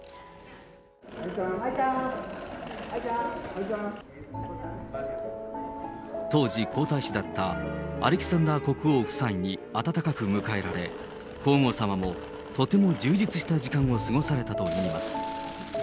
愛ちゃん、当時、皇太子だったアレキサンダー国王夫妻に温かく迎えられ、皇后さまもとても充実した時間を過ごされたといいます。